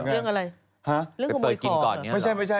ไปเปิดกินก่อนเนี่ยหรอ